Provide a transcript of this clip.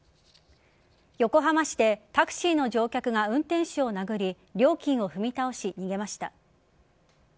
横浜市でタクシーの乗客が運転手を殴り料金を踏み倒し、逃げました。